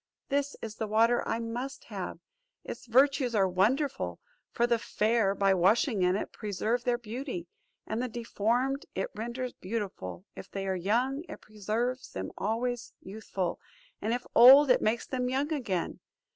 This is the water I must have; its virtues are wonderful; for the fair, by washing in it, preserve their beauty; and the deformed it renders beautiful; if they are young, it preserves them always youthful; and if old it makes them young again.